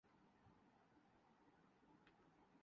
نہ کوئی ضابطہ ہے۔